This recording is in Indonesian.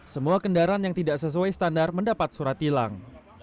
semua kendaraan yang tidak sesuai standar mendapat surat hilang